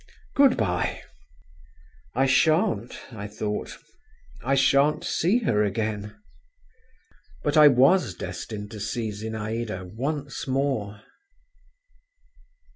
Good bye." "I shan't," I thought…. "I shan't see her again." But I was destined to see Zinaïda once more.